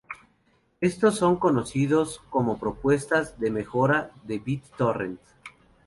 Estos son conocidos como "propuestas de mejora de BitTorrent".